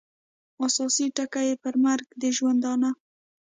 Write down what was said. اساسي ټکي یې پر مرګ د ژوندانه